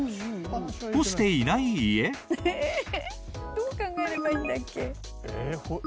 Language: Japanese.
どう考えればいいんだっけ。